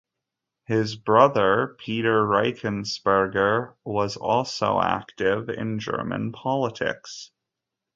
His brother, Peter Reichensperger, was also active in German politics.